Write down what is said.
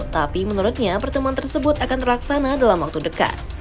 tapi menurutnya pertemuan tersebut akan terlaksana dalam waktu dekat